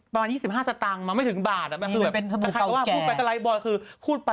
๒๕ธตังมันไม่ถึงบาท